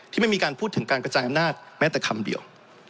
ไม่มีการพูดถึงการกระจายอำนาจแม้แต่คำเดียว